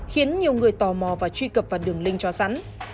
khiến nhiều người tò mò và truy cập vào đường link cho sẵn